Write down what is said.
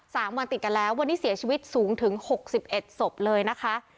สามวันติดกันแล้ววันนี้เสียชีวิตสูงถึงหกสิบเอ็ดศพเลยนะคะ